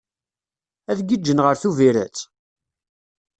Ad giǧǧen ɣer Tubiret?